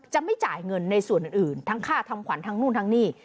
ไม่จ่ายเงินในส่วนอื่นทั้งค่าทำขวัญทั้งนู่นทั้งนี่